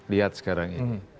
lihat sekarang ini